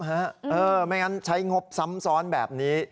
ไม่งั้นใช้งบซ้ำซ้อนแบบนี้